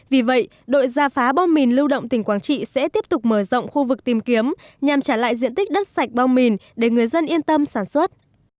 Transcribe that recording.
vì vậy đội gia phá bom mìn lưu động tỉnh quảng trị sẽ tiếp tục mở rộng khu vực tìm kiếm nhằm trả lại diện tích đất sạch bom mìn để người dân yên tâm sản xuất